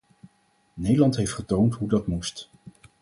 Nederland heeft getoond hoe dat moest.